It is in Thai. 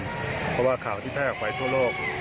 เพราะว่าข่าวที่แพร่ออกไปทั่วโลก